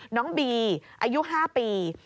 น้องบีอายุ๕ปี